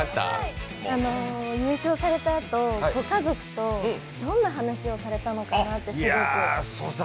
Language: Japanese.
優勝された後ご家族とどんな話をされたのかなってすごく気になりましたね。